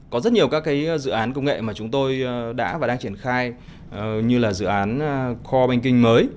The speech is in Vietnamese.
có rất nhiều các dự án công nghệ mà chúng tôi đã và đang triển khai như là dự án core banking mới